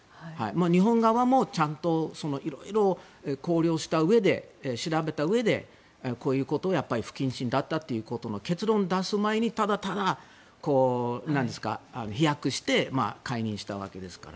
日本側も、ちゃんといろいろ考慮したうえで調べたうえでこういうことが不謹慎だったということの結論を出す前にただただ飛躍して解任したわけですから。